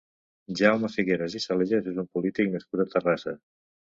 Jaume Figueras i Salellas és un polític nascut a Terrassa.